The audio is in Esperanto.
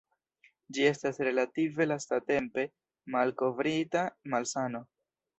Ĝi estas relative lastatempe malkovrita malsano.